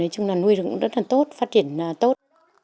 chúng ta nuôi được cũng rất là tốt phát triển tốt